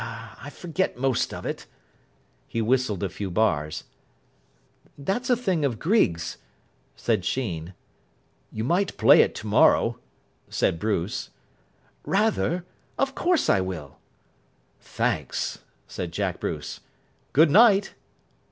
I forget most of it." He whistled a few bars. "That's a thing of Greig's," said Sheen. "You might play it tomorrow," said Bruce. "Rather. Of course I will." "Thanks," said Jack Bruce. "Good night."